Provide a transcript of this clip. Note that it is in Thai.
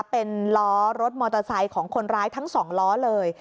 เป็นล้อรถมอเตอร์ไซค์ของคนร้ายทั้ง๒ล้อเลย